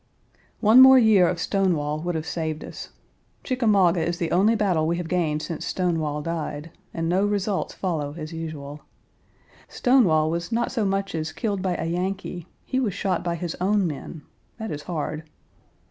One more year of Stonewall would have saved us. Chickamauga is the only battle we have gained since Stonewall died, and no results follow as usual. Stonewall was not so much as killed by a Yankee: he was shot by his own men; that is hard.